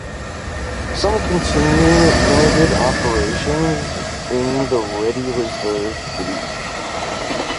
Some continue limited operation in the Ready Reserve Fleet.